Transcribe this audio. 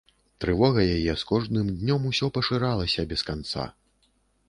Трывога яе з кожным днём усё пашыралася без канца.